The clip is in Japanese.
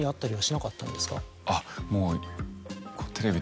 あっもう。